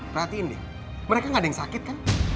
perhatiin deh mereka gak ada yang sakit kan